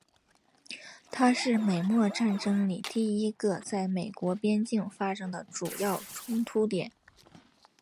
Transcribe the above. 它是美墨战争里第一个在美国边境发生的主要冲突点。